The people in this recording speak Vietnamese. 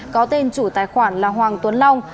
có tên chủ tài khoản là hoàng tuấn long